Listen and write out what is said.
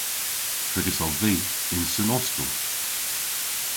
Trigys ov vy yn Sen Austel.